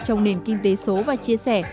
trong nền kinh tế số và chia sẻ